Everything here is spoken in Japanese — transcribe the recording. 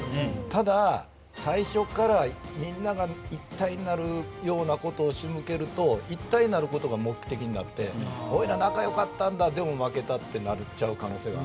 ただ、最初からみんなが一体になるようなことを仕向けると一体になることが目的になって仲よかったんだでも負けたとなっちゃう。